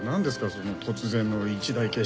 その突然の一大決心は。